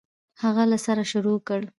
هغه له سره شروع کړ.